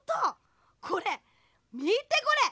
これみてこれ！